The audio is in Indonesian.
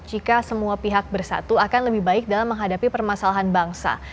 jika semua pihak bersatu akan lebih baik dalam menghadapi permasalahan bangsa